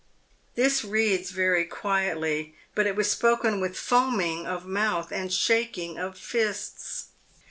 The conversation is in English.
This reads very quietly, but it was spoken with foaming of mouth and shaking of fists.